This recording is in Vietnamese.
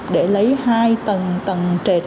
để lấy hai tầng trệt